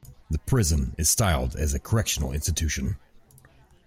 The prison is styled as a correctional institution.